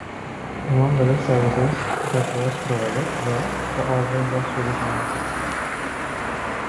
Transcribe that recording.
Among other services that was provided were the ordering of Swedish identity cards.